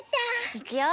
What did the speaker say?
いくよ。